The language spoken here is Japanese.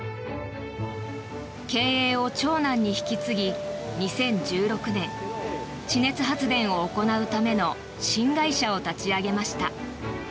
経営を長男に引き継ぎ２０１６年地熱発電を行うための新会社を立ち上げました。